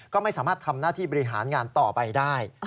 ก็ไม่สามารถทำหน้าที่บริหารงานต่อไปได้